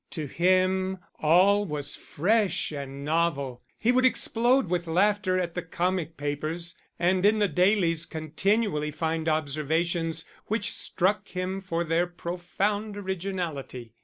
To him all was fresh and novel; he would explode with laughter at the comic papers, and in the dailies continually find observations which struck him for their profound originality.